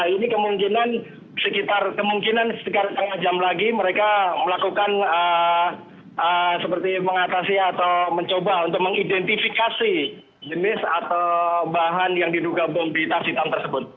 ini kemungkinan sekitar kemungkinan sekitar setengah jam lagi mereka melakukan seperti mengatasi atau mencoba untuk mengidentifikasi jenis atau bahan yang diduga bom di tas hitam tersebut